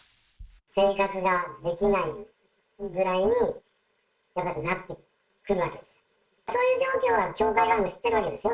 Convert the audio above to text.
生活ができないぐらいに、なってくるわけです。